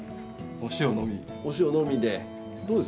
お塩のみで。